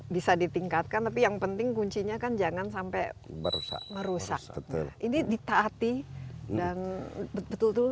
bisa ditingkatkan tapi yang penting kuncinya kan jangan sampai merusak betul ini ditaati dan betul betul